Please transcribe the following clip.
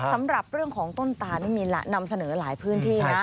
สำหรับเรื่องของต้นตานี่มีละนำเสนอหลายพื้นที่นะ